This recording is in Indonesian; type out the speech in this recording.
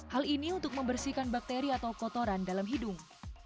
hal ini untuk membersihkan bakteri atau kotoran dalam hidung